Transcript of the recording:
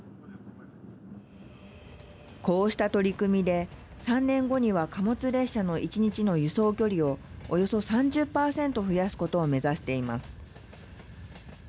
こうした取り組みで、３年後には貨物列車の１日の輸送距離をおよそ３０％増やすことを目指しています。